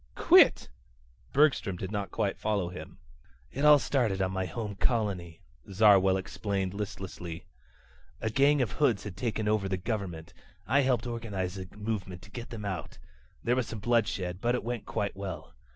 "Quit?" Bergstrom did not quite follow him. "It started on my home colony," Zarwell explained listlessly. "A gang of hoods had taken over the government. I helped organize a movement to get them out. There was some bloodshed, but it went quite well.